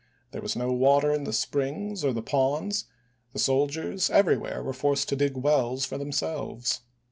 There was no water in the springs or the ponds ; the soldiers everywhere were forced to dig wells for themselves.